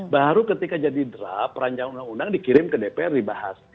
baru ketika jadi draft rancangan undang undang dikirim ke dpr dibahas